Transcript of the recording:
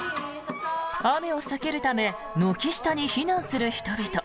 雨を避けるため軒下に避難する人々。